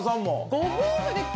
ご夫婦で。